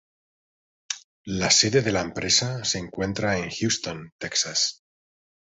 La sede de la empresa se encuentra en Houston, Texas.